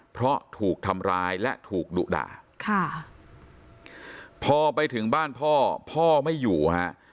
เพราะถูกทำร้ายและถูกดุด่าค่ะพอไปถึงบ้านพ่อพ่อไม่อยู่ฮะ